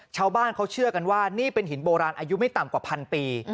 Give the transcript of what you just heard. ชาวบ้านเขาเชื่อกันว่านี่เป็นหินโบราณอายุไม่ต่ำกว่าพันปี